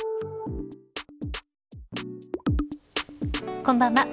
こんばんは。